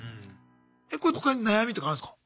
え他に悩みとかあるんすか？